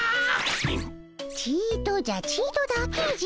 ちとじゃちとだけじゃ。